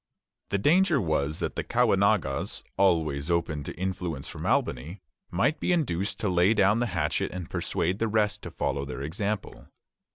The danger was that the Caughnawagas, always open to influence from Albany, might be induced to lay down the hatchet and persuade the rest to follow their example.